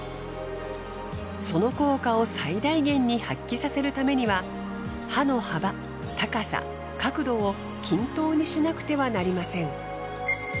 その効果を最大限に発揮させるためには刃の幅高さ角度を均等にしなくてはなりません。